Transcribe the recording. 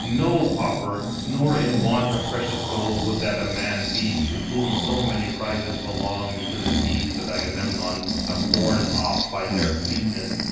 No pauper, nor in want of precious gold, would that man be to whom so many prizes belonged as the steeds of Agamemnon have borne off by their fleetness.